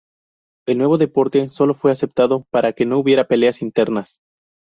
El nuevo deporte sólo fue aceptado para que no hubiera peleas internas.